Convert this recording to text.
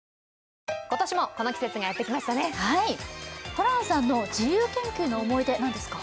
ホランさんの自由研究の思い出、何ですか？